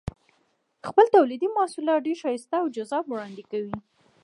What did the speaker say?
خپل تولیدي محصولات ډېر ښایسته او جذاب وړاندې کوي.